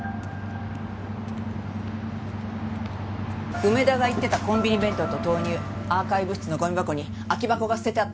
梅田が言ってたコンビニ弁当と豆乳アーカイブ室のゴミ箱に空き箱が捨ててあった。